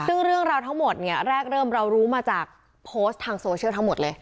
ซึ่งเรื่องราวทั้งหมดเนี่ยแรกเริ่มเรารู้มาจากโพสต์ทางโซเชียลทั้งหมดเลย